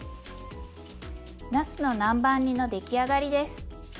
なすの南蛮煮の出来上がりです。